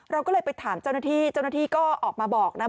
เราก็เลยไปถามเจ้าหน้าที่เจ้าหน้าที่ก็ออกมาบอกนะ